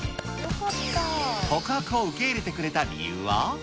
告白を受け入れてくれた理由は？